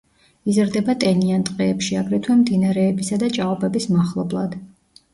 იზრდება ტენიან ტყეებში, აგრეთვე მდინარეებისა და ჭაობების მახლობლად.